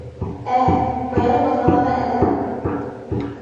Ә, баяғы баҫмалағы әҙәм.